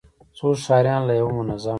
څو ښاريان له يو منظم،